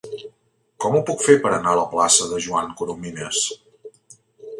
Com ho puc fer per anar a la plaça de Joan Coromines?